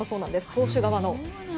投手側の。